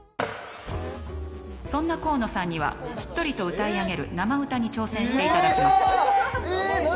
そんな河野さんにはしっとりと歌い上げる生歌に挑戦していただきます。